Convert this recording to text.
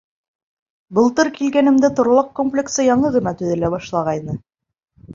— Былтыр килгәнемдә, торлаҡ комплексы яңы ғына төҙөлә башлағайны.